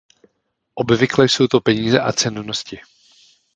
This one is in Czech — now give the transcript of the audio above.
Obvykle jsou to peníze a cennosti.